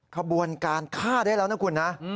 ขบวนการฆ่าได้แล้วนะคุณนะ